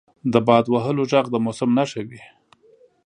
• د باد وهلو ږغ د موسم نښه وي.